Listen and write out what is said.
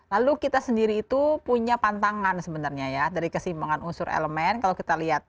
lalu kita sendiri itu punya pantangan sebenarnya ya dari kesimbangan unsur elemen kalau kita lihat